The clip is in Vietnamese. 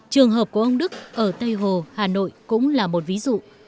trường hợp của ông đức ở tây hồ hà nội cũng là một ví dụ